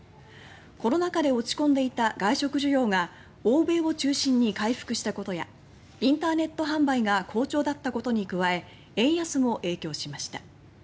コロナ禍で落ち込んでいた外食需要が欧米を中心に回復したことやインターネット販売が好調だったことに加え円安も影響しました。